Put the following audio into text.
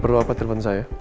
perlu apa telepon saya